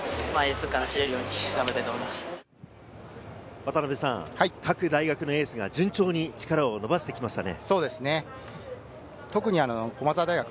渡辺さん、各大学のエースが順調に力を伸ばしてきましたね。